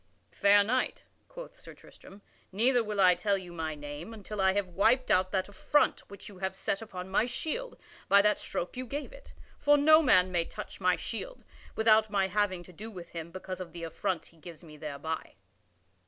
"Fair Knight," quoth Sir Tristram, "neither will I tell you my name until I have wiped out that affront which you have set upon my shield by that stroke you gave it. For no man may touch my shield without my having to do with him because of the affront he gives me thereby."